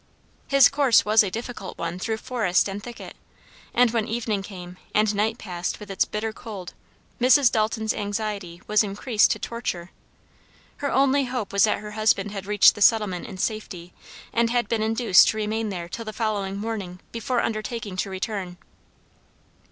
His course was a difficult one through forest and thicket, and when evening came, and night passed with its bitter cold, Mrs. Dalton's anxiety was increased to torture. Her only hope was that her husband had reached the settlement in safety, and had been induced to remain there till the following morning before undertaking to return.